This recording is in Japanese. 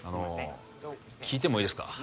あの聞いてもいいですか？